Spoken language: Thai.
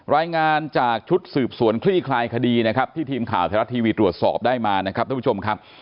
รายงานจากชุดสืบสวนคลี่คลายคดีนะครับที่ทีมข่าวไทยรัฐทีวีตรวจสอบได้มานะครับท่านผู้ชมครับ